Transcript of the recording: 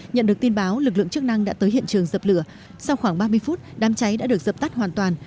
nhận được tin báo lực lượng chức năng đã tới hiện trường dập lửa sau khoảng ba mươi phút đám cháy đã được dập tắt hoàn toàn